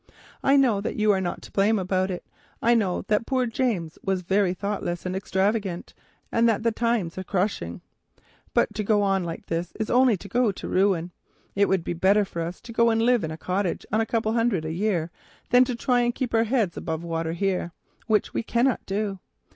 I know that you are not to blame about it. I know that dear James was very thoughtless and extravagant, and that the times are crushing. But to go on like this is only to go to ruin. It would be better for us to live in a cottage on a couple of hundred a year than to try to keep our heads above water here, which we cannot do.